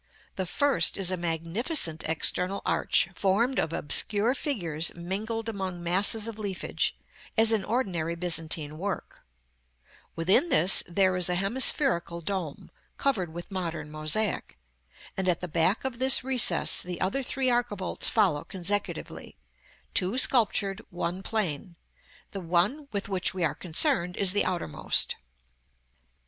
The first is a magnificent external arch, formed of obscure figures mingled among masses of leafage, as in ordinary Byzantine work; within this there is a hemispherical dome, covered with modern mosaic; and at the back of this recess the other three archivolts follow consecutively, two sculptured, one plain; the one with which we are concerned is the outermost.